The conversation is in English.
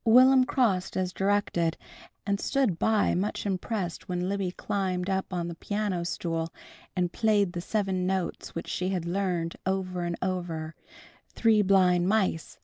Will'm crossed as directed, and stood by much impressed when Libby climbed up on the piano stool and played the seven notes which she had learned, over and over: "Three blind mice!